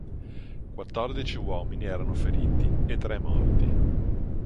Quattordici uomini erano feriti e tre morti.